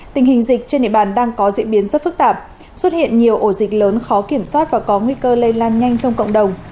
tình hình dịch trên địa bàn đang có diễn biến rất phức tạp xuất hiện nhiều ổ dịch lớn khó kiểm soát và có nguy cơ lây lan nhanh trong cộng đồng